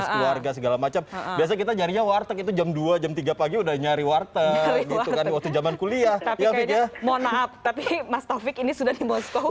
keluarga segala macam biasanya kita nyarinya warteg itu jam dua jam tiga pagi udah nyari warteg gitu kan waktu zaman kuliah mohon maaf tapi mas taufik ini sudah di moskow